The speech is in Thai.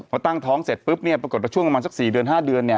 พอตั้งท้องเสร็จปุ๊บปรากฏตะช่วงประมาณสัก๔๕เดือน